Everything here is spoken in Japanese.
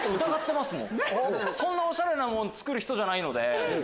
そんなオシャレなもの作る人じゃないので。